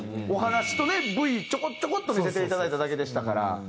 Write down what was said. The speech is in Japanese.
お話とねＶちょこちょこっと見せていただいただけでしたから。